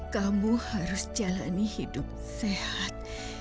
kamu harus jalani hidup sehat